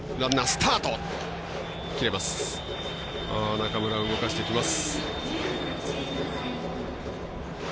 中村、動かしてきます。